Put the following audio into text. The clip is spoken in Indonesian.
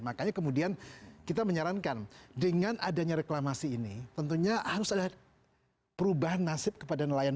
makanya kemudian kita menyarankan dengan adanya reklamasi ini tentunya harus ada perubahan nasib kepada nelayan